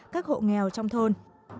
các hộ nghèo trong thôn